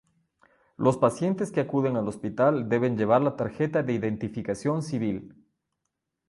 Los pacientes que acuden al hospital deben llevar la tarjeta de identificación civil.